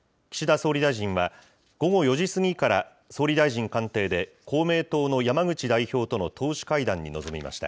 総理大臣は、午後４時過ぎから、総理大臣官邸で、公明党の山口代表との党首会談に臨みました。